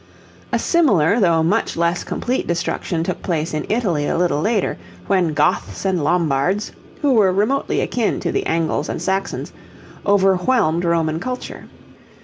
A similar though much less complete destruction took place in Italy a little later, when Goths and Lombards, who were remotely akin to the Angles and Saxons, overwhelmed Roman culture.